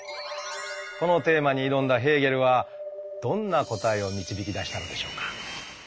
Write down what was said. このテーマに挑んだヘーゲルはどんな答えを導き出したのでしょうか？